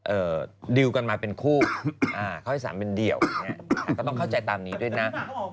ดิวกันมาเป็นคู่อ่าเขาให้สามเป็นเดี่ยวอย่างเงี้ยก็ต้องเข้าใจตามนี้ด้วยนะ